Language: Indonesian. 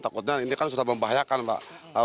takutnya ini kan sudah membahayakan mbak